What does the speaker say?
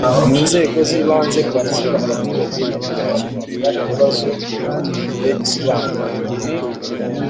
n inzego z ibanze kwakira abaturage no kubakemurira ibibazo ku gihe gusobanurira